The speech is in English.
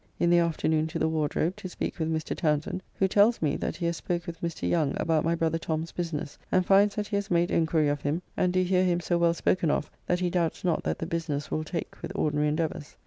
In the afternoon to the Wardrobe to speak with Mr. Townsend, who tells me that he has spoke with Mr. Young about my brother Tom's business, and finds that he has made enquiry of him, and do hear him so well spoken of that he doubts not that the business will take with ordinary endeavours.